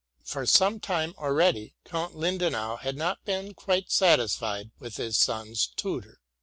For some time, already, Count Lindenau had not been quite satisfied with his son's tutor.